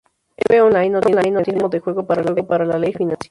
Eve Online no tiene un mecanismo de juego para la ley financiera.